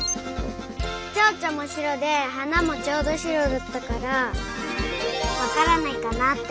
チョウチョもしろではなもちょうどしろだったからわからないかなっておもった。